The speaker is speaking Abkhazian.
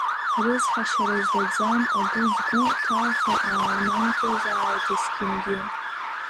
Рыцҳашьара злаӡам агәы згәу, Ҭаха ааунамҭозааит есқьынгьы!